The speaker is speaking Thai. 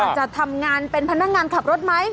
จะทำงานเป็นพนักงานขับรถไหม